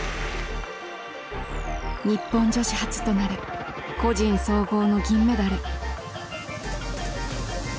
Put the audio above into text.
日本女子初となる個人総合の銀メダル。